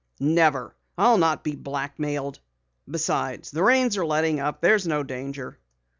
"Never! I'll not be blackmailed! Besides, the rains are letting up. There's no danger."